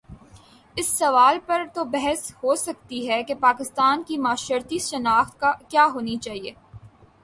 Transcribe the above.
اس سوال پر تو بحث ہو سکتی ہے کہ پاکستان کی معاشرتی شناخت کیا ہو نی چاہیے۔